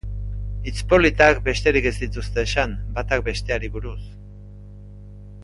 Hitz politak besterik ez dituzte esan batak besteari buruz.